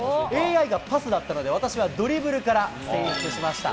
ＡＩがパスだったので、私はドリブルから選出しました。